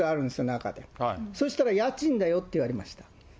中で、そうしたら家賃だよって言われました。